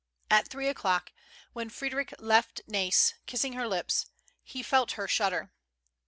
At three o'clock, when Frederic left Nais, kissing her lips, he felt her shudder.